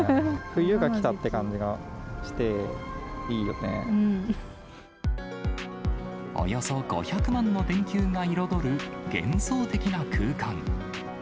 冬が来たって感じがしていいおよそ５００万の電球が彩る幻想的な空間。